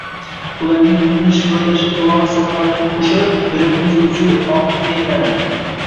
Ularning mungli shivirlashi tilovat sadolariga qo‘shilib, yurakni ezuvchi ohangga aylanadi.